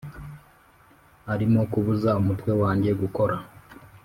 urimo kubuza umutwe wanjye gukora